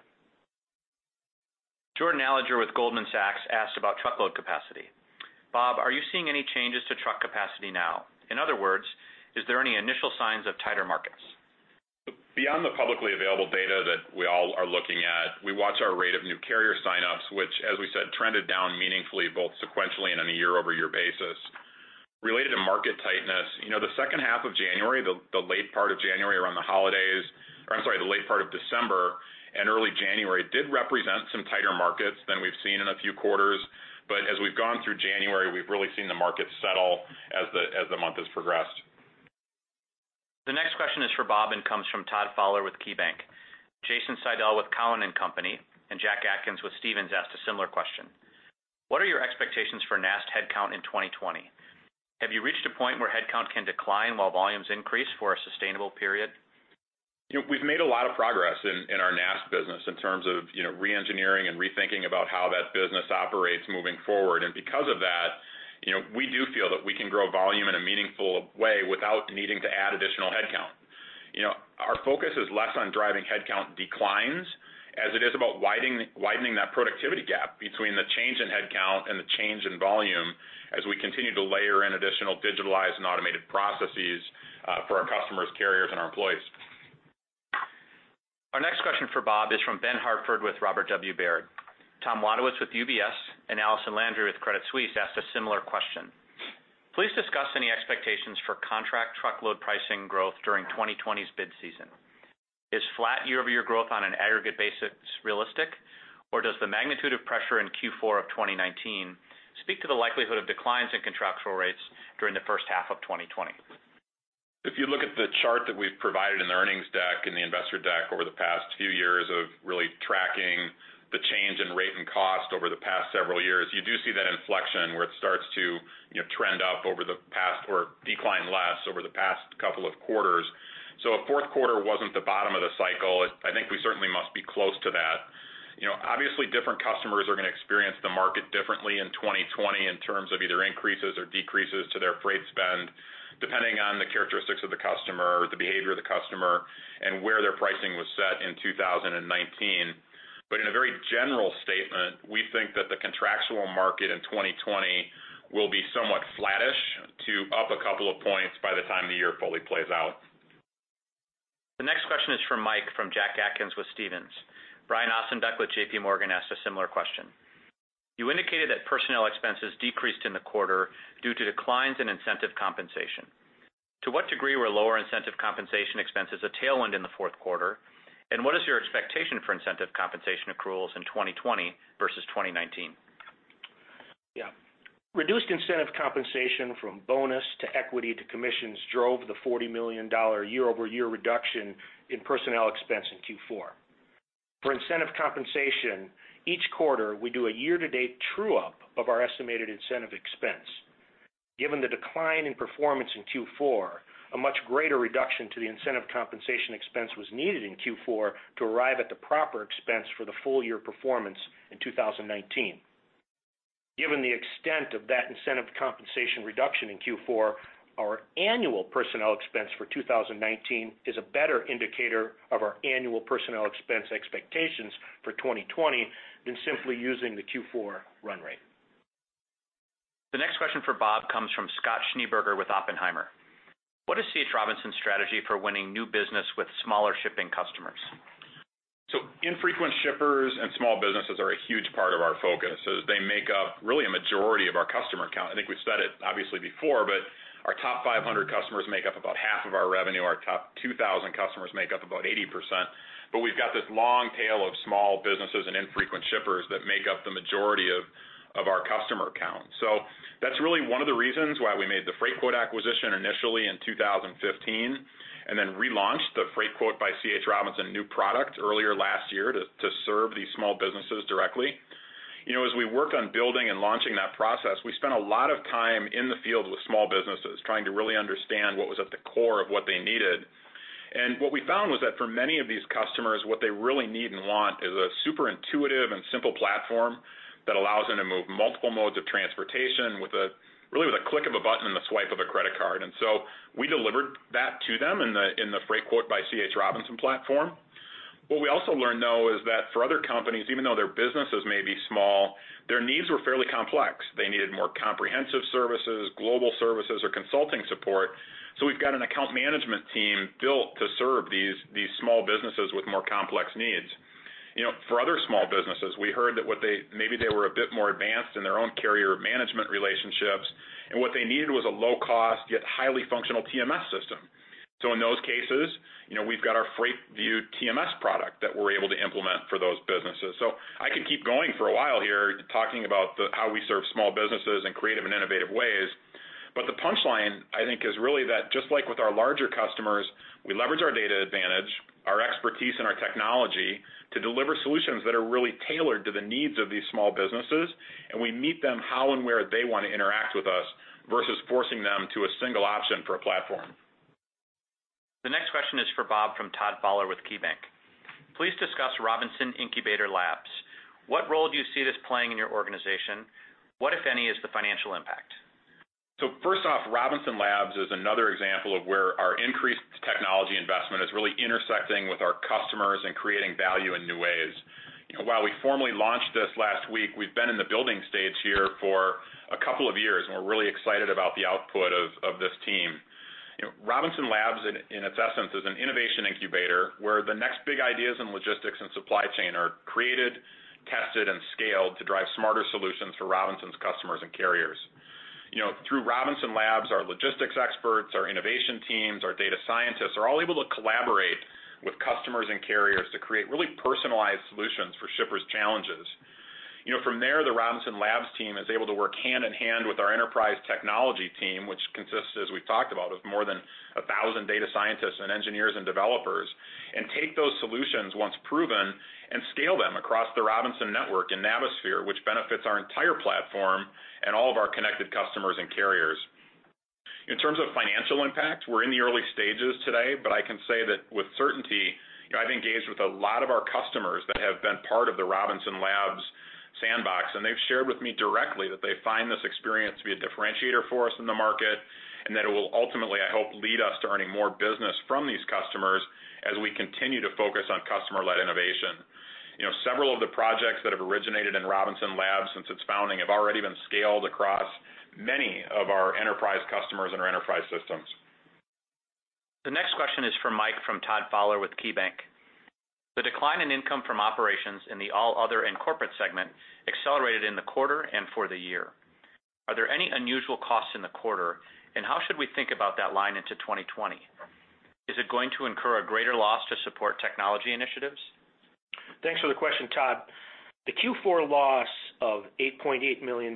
Jordan Alliger with Goldman Sachs asked about truckload capacity. Bob, are you seeing any changes to truck capacity now? In other words, is there any initial signs of tighter markets? Beyond the publicly available data that we all are looking at, we watch our rate of new carrier sign-ups, which, as we said, trended down meaningfully, both sequentially and on a year-over-year basis. Related to market tightness, the second half of January, the late part of January around the holidays, or I'm sorry, the late part of December and early January, did represent some tighter markets than we've seen in a few quarters. As we've gone through January, we've really seen the market settle as the month has progressed. The next question is for Bob and comes from Todd Fowler with KeyBanc. Jason Seidl with Cowen and Company, and Jack Atkins with Stephens asked a similar question. What are your expectations for NAST headcount in 2020? Have you reached a point where headcount can decline while volumes increase for a sustainable period? We've made a lot of progress in our NAST business in terms of re-engineering and rethinking about how that business operates moving forward. Because of that, we do feel that we can grow volume in a meaningful way without needing to add additional headcount. Our focus is less on driving headcount declines as it is about widening that productivity gap between the change in headcount and the change in volume as we continue to layer in additional digitalized and automated processes for our customers, carriers, and our employees. Our next question for Bob is from Ben Hartford with Robert W. Baird. Tom Wadewitz with UBS, and Allison Landry with Credit Suisse asked a similar question. Please discuss any expectations for contract truckload pricing growth during 2020's bid season. Is flat year-over-year growth on an aggregate basis realistic, or does the magnitude of pressure in Q4 of 2019 speak to the likelihood of declines in contractual rates during the first half of 2020? If you look at the chart that we've provided in the earnings deck and the investor deck over the past few years of really tracking the change in rate and cost over the past several years, you do see that inflection where it starts to trend up over the past, or decline less over the past couple of quarters. If fourth quarter wasn't the bottom of the cycle, I think we certainly must be close to that. Obviously, different customers are going to experience the market differently in 2020 in terms of either increases or decreases to their freight spend, depending on the characteristics of the customer, the behavior of the customer, and where their pricing was set in 2019. In a very general statement, we think that the contractual market in 2020 will be somewhat flattish to up a couple of points by the time the year fully plays out. The next question is for Mike from Jack Atkins with Stephens. Brian Ossenbeck with JPMorgan asked a similar question. You indicated that personnel expenses decreased in the quarter due to declines in incentive compensation. To what degree were lower incentive compensation expenses a tailwind in the fourth quarter, and what is your expectation for incentive compensation accruals in 2020 versus 2019? Yeah. Reduced incentive compensation from bonus to equity to commissions drove the $40 million year-over-year reduction in personnel expense in Q4. For incentive compensation, each quarter, we do a year-to-date true-up of our estimated incentive expense. Given the decline in performance in Q4, a much greater reduction to the incentive compensation expense was needed in Q4 to arrive at the proper expense for the full year performance in 2019. Given the extent of that incentive compensation reduction in Q4, our annual personnel expense for 2019 is a better indicator of our annual personnel expense expectations for 2020 than simply using the Q4 run rate. The next question for Bob comes from Scott Schneeberger with Oppenheimer. What is C. H. Robinson's strategy for winning new business with smaller shipping customers? Infrequent shippers and small businesses are a huge part of our focus, as they make up really a majority of our customer count. I think we've said it obviously before, but our top 500 customers make up about half of our revenue. Our top 2,000 customers make up about 80%, but we've got this long tail of small businesses and infrequent shippers that make up the majority of our customer count. That's really one of the reasons why we made the Freightquote acquisition initially in 2015, and then relaunched the Freightquote by C. H. Robinson new product earlier last year to serve these small businesses directly. As we worked on building and launching that process, we spent a lot of time in the field with small businesses trying to really understand what was at the core of what they needed. What we found was that for many of these customers, what they really need and want is a super intuitive and simple platform that allows them to move multiple modes of transportation really with a click of a button and the swipe of a credit card. We delivered that to them in the Freightquote by C.H. Robinson platform. What we also learned, though, is that for other companies, even though their businesses may be small, their needs were fairly complex. They needed more comprehensive services, global services, or consulting support. We've got an account management team built to serve these small businesses with more complex needs. For other small businesses, we heard that maybe they were a bit more advanced in their own carrier management relationships, and what they needed was a low cost, yet highly functional TMS system. In those cases, we've got our Freightview TMS product that we're able to implement for those businesses. I could keep going for a while here talking about how we serve small businesses in creative and innovative ways. The punchline, I think, is really that just like with our larger customers, we leverage our data advantage, our expertise, and our technology to deliver solutions that are really tailored to the needs of these small businesses, and we meet them how and where they want to interact with us, versus forcing them to a single option for a platform. The next question is for Bob from Todd Fowler with KeyBanc. Please discuss C.H. Robinson Labs. What role do you see this playing in your organization? What, if any, is the financial impact? First off, Robinson Labs is another example of where our increased technology investment is really intersecting with our customers and creating value in new ways. While we formally launched this last week, we've been in the building stage here for a couple of years, and we're really excited about the output of this team. Robinson Labs, in its essence, is an innovation incubator where the next big ideas in logistics and supply chain are created, tested, and scaled to drive smarter solutions for C. H. Robinson's customers and carriers. Through Robinson Labs, our logistics experts, our innovation teams, our data scientists are all able to collaborate with customers and carriers to create really personalized solutions for shippers' challenges. From there, the Robinson Labs team is able to work hand-in-hand with our enterprise technology team, which consists, as we've talked about, of more than 1,000 data scientists and engineers and developers, and take those solutions once proven, and scale them across the Robinson network and Navisphere, which benefits our entire platform and all of our connected customers and carriers. In terms of financial impact, we're in the early stages today, but I can say that with certainty, I've engaged with a lot of our customers that have been part of the Robinson Labs sandbox, and they've shared with me directly that they find this experience to be a differentiator for us in the market, and that it will ultimately, I hope, lead us to earning more business from these customers as we continue to focus on customer-led innovation. Several of the projects that have originated in Robinson Labs since its founding have already been scaled across many of our enterprise customers and our enterprise systems. The next question is for Mike from Todd Fowler with KeyBanc. The decline in income from operations in the all other and corporate segment accelerated in the quarter and for the year. Are there any unusual costs in the quarter, and how should we think about that line into 2020? Is it going to incur a greater loss to support technology initiatives? Thanks for the question, Todd. The Q4 loss of $8.8 million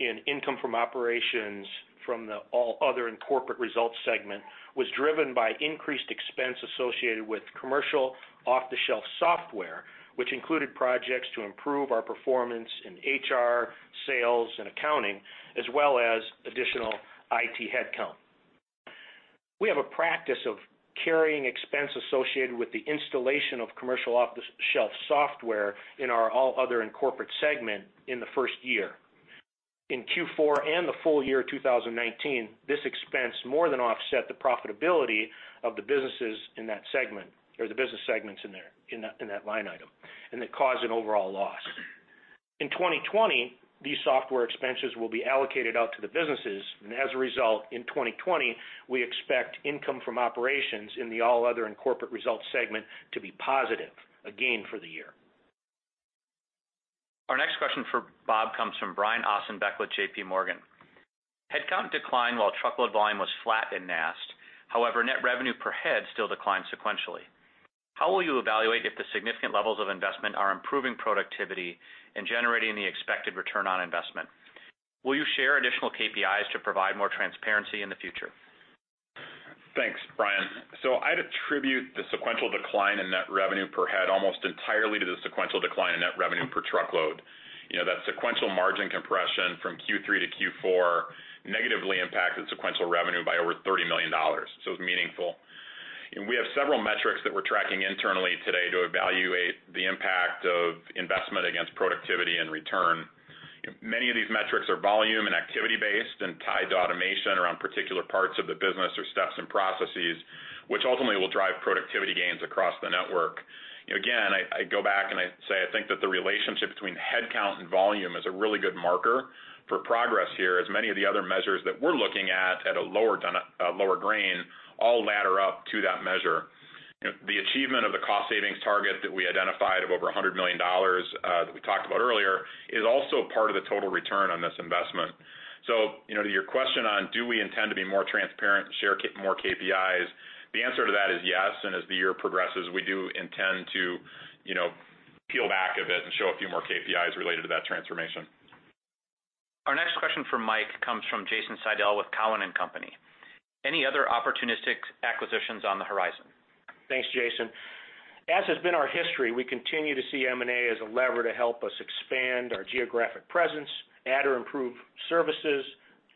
in income from operations from the All Other and Corporate Results Segment was driven by increased expense associated with commercial off-the-shelf software, which included projects to improve our performance in HR, sales, and accounting, as well as additional IT headcount. We have a practice of carrying expense associated with the installation of commercial off-the-shelf software in our All Other and Corporate Segment in the first year. In Q4 and the full year 2019, this expense more than offset the profitability of the businesses in that segment, or the business segments in that line item. It caused an overall loss. In 2020, these software expenses will be allocated out to the businesses. As a result, in 2020, we expect income from operations in the All Other and Corporate Results Segment to be positive again for the year. Our next question for Bob comes from Brian Ossenbeck with JPMorgan. Headcount declined while truckload volume was flat in NAST. However, net revenue per head still declined sequentially. How will you evaluate if the significant levels of investment are improving productivity and generating the expected return on investment? Will you share additional KPIs to provide more transparency in the future? Thanks, Brian. I'd attribute the sequential decline in net revenue per head almost entirely to the sequential decline in net revenue per truckload. That sequential margin compression from Q3 to Q4 negatively impacted sequential revenue by over $30 million, so it's meaningful. We have several metrics that we're tracking internally today to evaluate the impact of investment against productivity and return. Many of these metrics are volume and activity-based and tied to automation around particular parts of the business or steps and processes, which ultimately will drive productivity gains across the network. Again, I go back and I say I think that the relationship between headcount and volume is a really good marker for progress here, as many of the other measures that we're looking at a lower grain, all ladder up to that measure. The achievement of the cost savings target that we identified of over $100 million, that we talked about earlier, is also part of the total return on this investment. To your question on do we intend to be more transparent and share more KPIs, the answer to that is yes, and as the year progresses, we do intend to peel back a bit and show a few more KPIs related to that transformation. Our next question for Mike comes from Jason Seidl with Cowen and Company. Any other opportunistic acquisitions on the horizon? Thanks, Jason. As has been our history, we continue to see M&A as a lever to help us expand our geographic presence, add or improve services,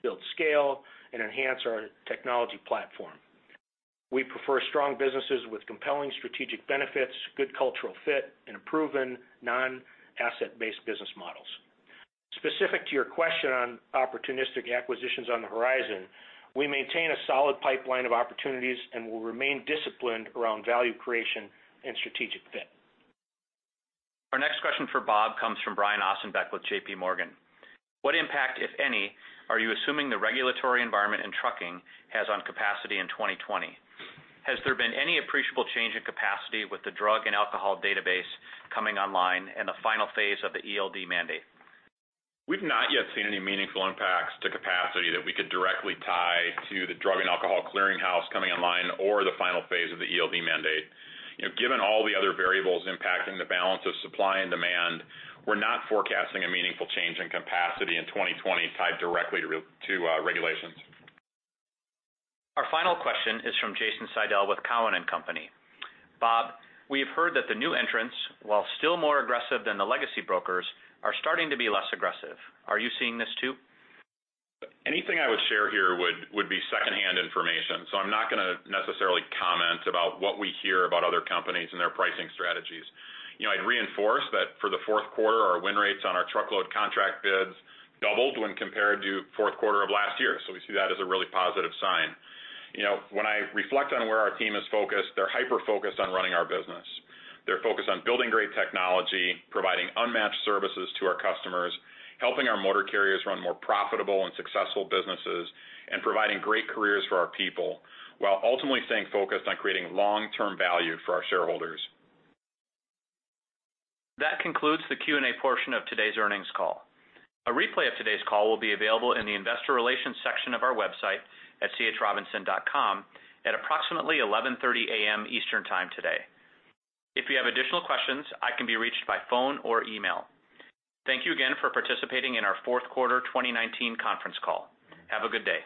build scale, and enhance our technology platform. We prefer strong businesses with compelling strategic benefits, good cultural fit, and proven non-asset-based business models. Specific to your question on opportunistic acquisitions on the horizon, we maintain a solid pipeline of opportunities and will remain disciplined around value creation and strategic fit. Our next question for Bob comes from Brian Ossenbeck with JPMorgan. What impact, if any, are you assuming the regulatory environment in trucking has on capacity in 2020? Has there been any appreciable change in capacity with the drug and alcohol database coming online and the final phase of the ELD mandate? We've not yet seen any meaningful impacts to capacity that we could directly tie to the Drug and Alcohol Clearinghouse coming online or the final phase of the ELD mandate. Given all the other variables impacting the balance of supply and demand, we're not forecasting a meaningful change in capacity in 2020 tied directly to regulations. Our final question is from Jason Seidl with Cowen and Company. Bob, we have heard that the new entrants, while still more aggressive than the legacy brokers, are starting to be less aggressive. Are you seeing this too? Anything I would share here would be secondhand information. I'm not going to necessarily comment about what we hear about other companies and their pricing strategies. I'd reinforce that for the fourth quarter, our win rates on our truckload contract bids doubled when compared to fourth quarter of last year. We see that as a really positive sign. When I reflect on where our team is focused, they're hyper-focused on running our business. They're focused on building great technology, providing unmatched services to our customers, helping our motor carriers run more profitable and successful businesses, and providing great careers for our people, while ultimately staying focused on creating long-term value for our shareholders. That concludes the Q&A portion of today's earnings call. A replay of today's call will be available in the investor relations section of our website at chrobinson.com at approximately 11:30 A.M. Eastern Time today. If you have additional questions, I can be reached by phone or email. Thank you again for participating in our fourth quarter 2019 conference call. Have a good day.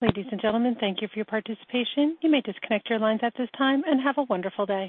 Ladies and gentlemen, thank you for your participation. You may disconnect your lines at this time, and have a wonderful day.